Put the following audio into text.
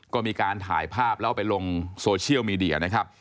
ก็มีการถ่ายภาพแล้วไปลงโซเชียลมีเดียนะครับ